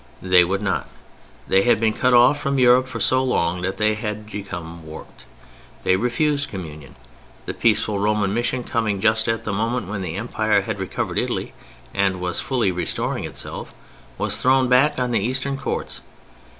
They would not. They had been cut off from Europe for so long that they had become warped. They refused communion. The peaceful Roman Mission coming just at the moment when the Empire had recovered Italy and was fully restoring itself, was thrown back on the Eastern courts.